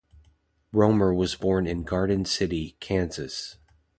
Romer was born in Garden City, Kansas.